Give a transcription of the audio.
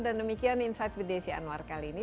dan demikian insight with desya anwar kali ini